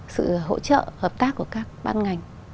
sự hỗ trợ hợp tác của các bán ngành